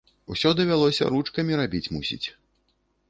Усё давялося ручкамі рабіць, мусіць.